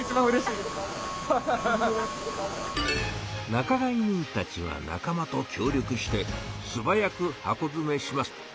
仲買人たちは仲間と協力してすばやく箱づめします。